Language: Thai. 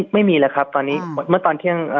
ไม่มีแล้วครับตอนนี้